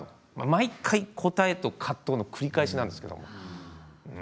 毎回答えと葛藤の繰り返しなんですよ。